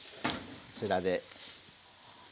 こちらで。